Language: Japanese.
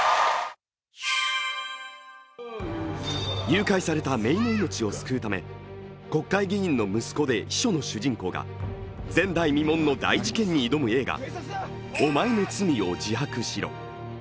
誘拐されためいの命を救うため、国会議員の息子で秘書の主人公が前代未聞の大事件に挑む映画「おまえの罪を自白しろ」。